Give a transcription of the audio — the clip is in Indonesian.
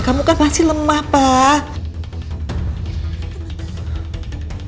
kamu kan pasti lemah pak